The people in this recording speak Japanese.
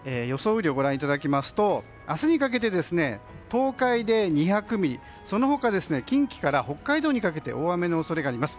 雨量をご覧いただきますと明日にかけて、東海で２００ミリその他、近畿から北海道にかけて大雨の恐れがあります。